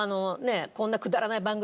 こんなくだらない番組。